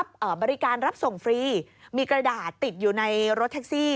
เอ่อบริการรับส่งฟรีมีกระดาษติดอยู่ในรถแท็กซี่